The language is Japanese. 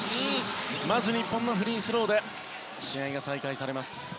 まずは日本のフリースローで試合が再開。